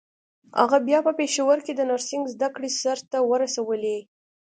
هغه بيا په پېښور کې د نرسنګ زدکړې سرته ورسولې.